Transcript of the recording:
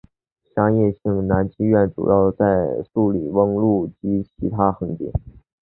商业性的男妓院主要在素里翁路及它的横街。